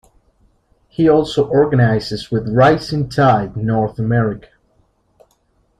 He also organizes with Rising Tide North America.